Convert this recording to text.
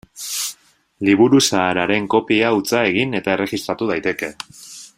Liburu zahar haren kopia hutsa egin eta erregistratu daiteke.